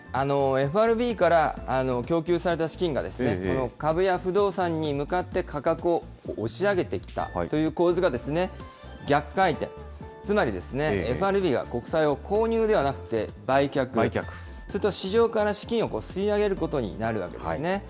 ＦＲＢから供給された資金が、この株や不動産に向かって価格を押し上げてきたという構図が、逆回転、つまりですね、ＦＲＢが国債を購入ではなくて、売却、すると市場から資金を吸い上げることになるわけですね。